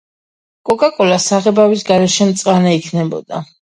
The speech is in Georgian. კოკაკოლა საღებავის გარეშე მწვანე იქნებოდა